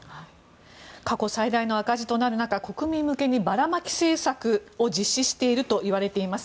過去最大の赤字となる中国民向けにばらまき政策を実施しているといわれています。